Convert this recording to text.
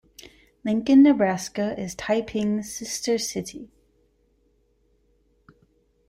Lincoln, Nebraska is Taiping's sister city.